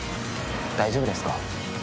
大丈夫ですか？